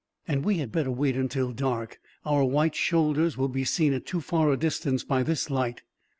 And we had better wait till dark. Our white shoulders will be seen at too far a distance, by this light."